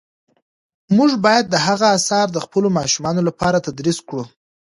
موږ باید د هغه آثار د خپلو ماشومانو لپاره تدریس کړو.